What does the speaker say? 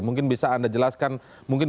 mungkin bisa anda jelaskan